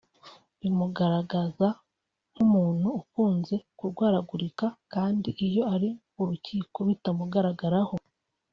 bimugaragaza nk’umuntu ukunze kurwaragurika kandi iyo ari mu rukiko bitamugaragaraho